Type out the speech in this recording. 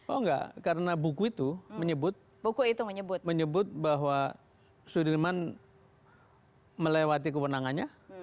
oh enggak karena buku itu menyebut bahwa sudirman melewati kewenangannya